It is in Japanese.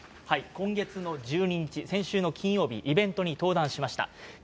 今月の１２日、先週の金曜日、イベントに登壇しました。